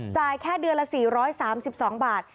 แค่เดือนละ๔๓๒บาท